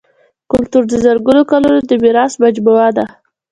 کلتور د زرګونو کلونو د میراث مجموعه ده.